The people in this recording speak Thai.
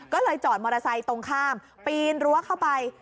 ก็เลยจอดมอเตอร์ไซค์ตรงข้ามปีนรั้วเข้าไป